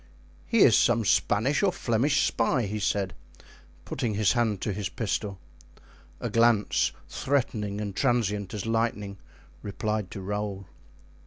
"He is some Spanish or Flemish spy," said he, putting his hand to his pistol. A glance, threatening and transient as lightning, replied to Raoul.